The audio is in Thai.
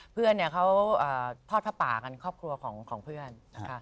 เพื่อนเขาทอดผ้าป่ากันครอบครัวของเพื่อนนะคะ